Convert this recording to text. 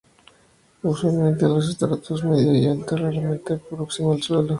Usualmente en los estratos medio y alto, raramente próximo al suelo.